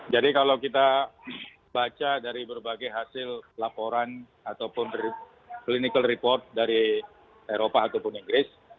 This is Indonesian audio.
jadi kalau kita baca dari berbagai hasil laporan ataupun clinical report dari eropa ataupun inggris